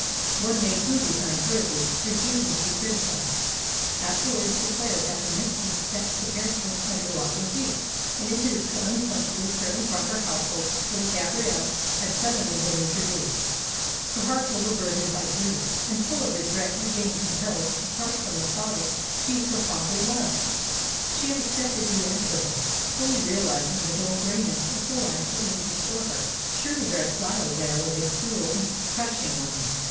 One maid who resigned hurriedly, refusing to be criticised, afterwards declared that her mistress kept the paraffin under lock and key. And into this uncomfortably prim and proper household little Gabrielle had suddenly been introduced. Her heart overburdened by grief, and full of regret at being compelled to part from the father she so fondly loved, she had accepted the inevitable, fully realising the dull greyness of the life that lay before her. Surely her exile there was a cruel and crushing one!